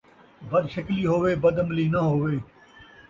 بد شکلی ہووے، بد عملی ناں ہووے